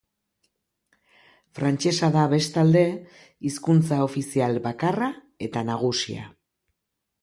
Frantsesa da, bestalde, hizkuntza ofizial bakarra eta nagusia.